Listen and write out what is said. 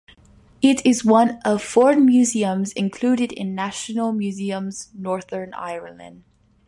It is one of four museums included in National Museums Northern Ireland.